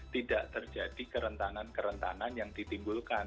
tidak terjadi kerentanan kerentanan yang ditimbulkan